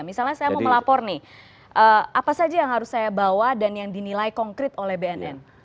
misalnya saya mau melapor nih apa saja yang harus saya bawa dan yang dinilai konkret oleh bnn